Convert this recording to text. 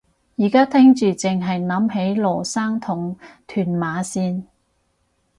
而家聽住剩係諗起羅生同屯馬綫